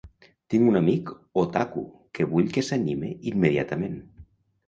Tinc un amic otaku que vull que s'anime immediatament.